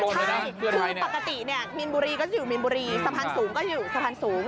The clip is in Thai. คือปกติเนี่ยมีนบุรีก็จะอยู่มีนบุรีสะพานสูงก็จะอยู่สะพานสูง